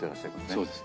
そうです。